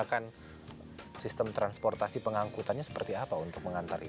akan sistem transportasi pengangkutannya seperti apa untuk mengantar ini